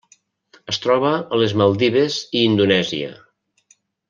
Es troba a les Maldives i Indonèsia.